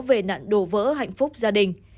về nạn đổ vỡ hạnh phúc gia đình